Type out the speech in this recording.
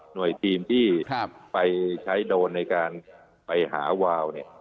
ทีมที่ไปใช้โดรนในการไปหาวาวเนี่ย